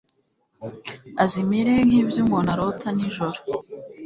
azimire nk'ibyo umuntu arota nijoro